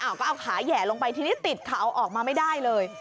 เอาก็เอาขาแห่ลงไปทีนี้ติดเขาออกมาไม่ได้เลย